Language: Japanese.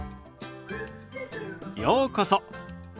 ようこそ。